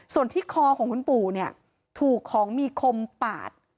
ส่วนที่คอของคุณปู่เนี่ยถูกของมีคมปาด